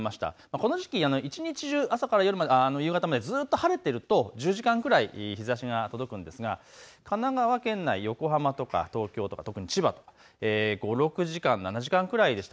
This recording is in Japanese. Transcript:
この時期、一日中、朝から夜までずっと晴れていると１０時間くらい日ざしが届くんですが神奈川県内横浜とか東京、千葉、５、６時間、７時間くらいでした。